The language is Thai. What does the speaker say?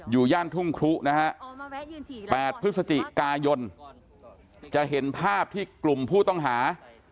ย่านทุ่งครุนะฮะ๘พฤศจิกายนจะเห็นภาพที่กลุ่มผู้ต้องหา